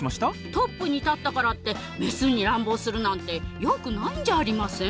トップに立ったからってメスに乱暴するなんてよくないんじゃありません？